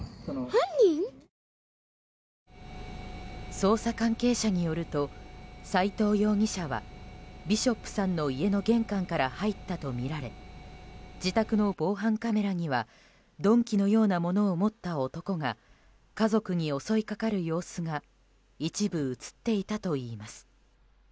捜査関係者によると斎藤容疑者はビショップさんの家の玄関から入ったとみられ自宅の防犯カメラには鈍器のようなものを持った男が家族に襲いかかる様子が一部映っていたといいます。